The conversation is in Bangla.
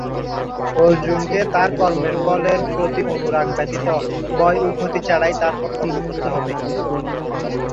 অর্জুনকে তার কর্মের ফলের প্রতি অনুরাগ ব্যতীত ভয় ও ক্ষতি ছাড়াই তার কর্তব্য করতে হবে।